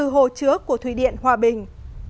hồ chứa của thủy điện hòa bình